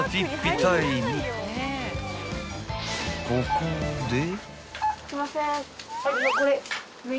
［ここで］